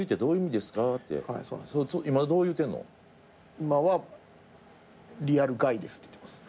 今は「リアルガイです」って言ってます。